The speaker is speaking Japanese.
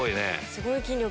すごい筋力。